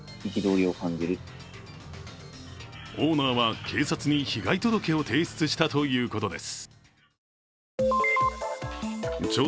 オーナーは警察に被害届を提出したということです。